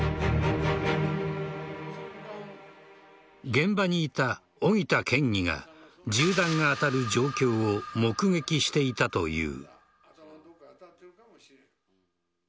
現場にいた荻田県議が銃弾が当たる状況を目撃していたという。